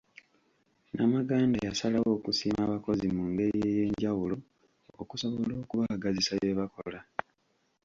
Namaganda yasalawo akusiima abakozi mu ngeri ey'enjawulo okusobola okubaagazisa bye bakola.